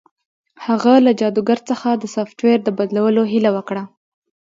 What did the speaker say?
هغه له جادوګر څخه د سافټویر د بدلولو هیله وکړه